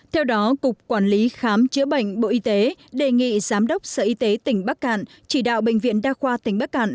theo đó cục quản lý khám chữa bệnh bộ y tế đề nghị giám đốc sở y tế tỉnh bắc cạn chỉ đạo bệnh viện đa khoa tỉnh bắc cạn